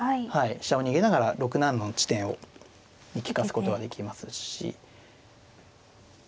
飛車を逃げながら６七の地点に利かすことができますし。